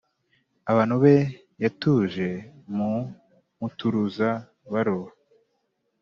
abantu be yatuje mu muturuza-baroba.